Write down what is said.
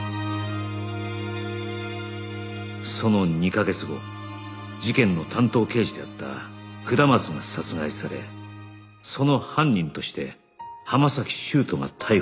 その２カ月後事件の担当刑事であった下松が殺害されその犯人として浜崎修斗が逮捕された